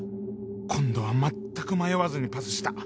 今度はまったく迷わずにパスした